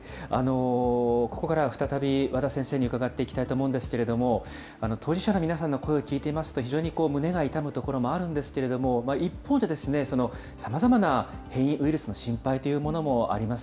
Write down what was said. ここからは再び和田先生に伺っていきたいと思うんですけれども、当事者の皆さんの声を聞いていますと、非常に胸が痛むところもあるんですけれども、一方で、さまざまな変異ウイルスの心配というものもあります。